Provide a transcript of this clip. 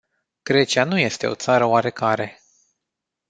Grecia nu este o țară oarecare.